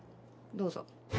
どうぞ。